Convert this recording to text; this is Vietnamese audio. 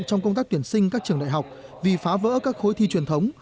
trong công tác tuyển sinh các trường đại học vì phá vỡ các khối thi truyền thống